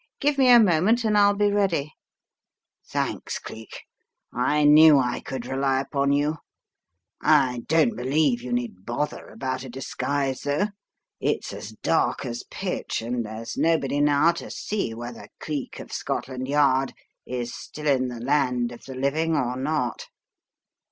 Give me a moment and I'll be ready." "Thanks, Cleek. I knew I could rely upon you! I don't believe you need bother about a disguise, though. It's as dark as pitch and there's nobody now to see whether Cleek of Scotland Yard is still in the land of the living or not."